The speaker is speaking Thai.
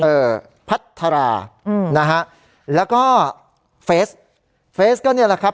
เออพัทราอืมนะฮะแล้วก็เฟสเฟสก็เนี่ยแหละครับ